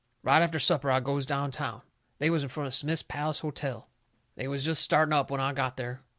Right after supper I goes down town. They was in front of Smith's Palace Hotel. They was jest starting up when I got there.